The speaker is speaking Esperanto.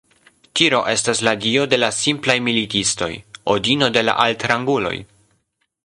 Tiro estas la dio de la simplaj militistoj, Odino de la altranguloj.